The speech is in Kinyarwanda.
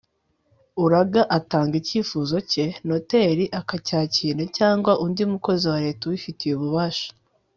uraga atanga icyifuzo cye, noteri akacyakira cyangwa undi mukozi wa leta ubifitiye ububasha